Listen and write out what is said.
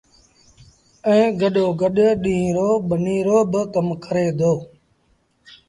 ائيٚݩ گڏو گڏ ڏيٚݩهݩ رو ٻنيٚ رو با ڪم ڪري دو۔